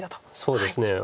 そうですね。